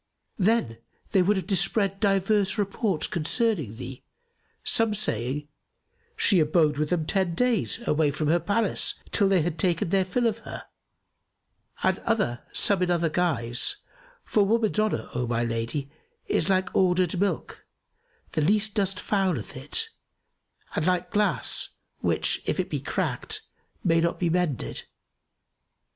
Then would they have dispread divers reports concerning thee, some saying, 'She abode with them ten days, away from her palace, till they had taken their fill of her'; and other some in otherguise: for woman's honour, O my lady, is like curded milk, the least dust fouleth it; and like glass, which, if it be cracked, may not be mended.